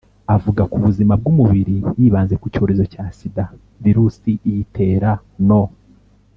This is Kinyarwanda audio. avuga k’ubuzima bw’umubiri. yibanze ku cyorezo cya « sida », virusi iyitera no